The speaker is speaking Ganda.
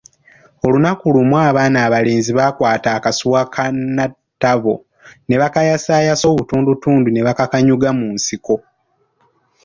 Olunaku lumu abaana abalenzi bakwaata akasuwa ka Natabo ne bakayasayasa obutundutundu ne bakakanyuga mu nsiko.